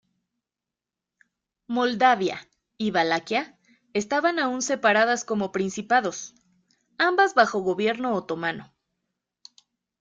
Moldavia y Valaquia estaban aún separadas como principados, ambas bajo gobierno otomano.